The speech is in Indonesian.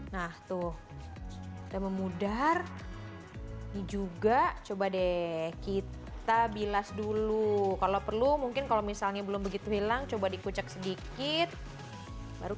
nah tuh udah memudar juga coba deh kita bilas dulu kalau perlu mungkin kalau misalnya belum begitu hilang coba dikucek sedikit baru